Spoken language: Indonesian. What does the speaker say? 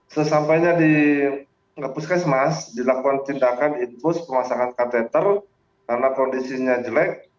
sesampainya di puskesmas dilakukan tindakan infus pemasangan katheter karena kondisinya jelek